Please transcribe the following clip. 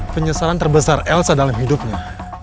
penyesalan terbesar elsa dalam hidupnya